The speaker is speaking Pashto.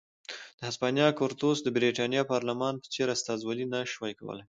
د هسپانیا کورتس د برېټانیا پارلمان په څېر استازولي نه شوای کولای.